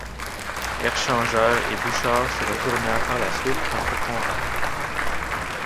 Erchanger et Bouchard se retournèrent par la suite contre Conrad.